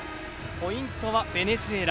ポイントはベネズエラ。